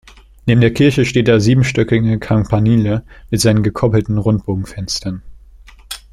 Neben der Kirche steht der siebenstöckige Campanile mit seinen gekoppelten Rundbogenfenstern.